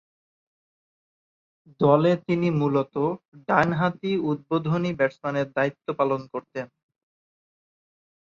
দলে তিনি মূলতঃ ডানহাতি উদ্বোধনী ব্যাটসম্যানের দায়িত্ব পালন করতেন।